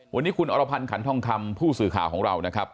วันนี้คุณอรพันธ์ขันทองคำผู้สื่อข่าวของเรานะครับ